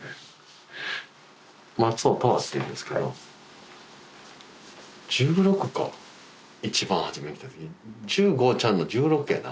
松尾永遠っていうんですけど１６か一番はじめ来た時１５ちゃうの１６やな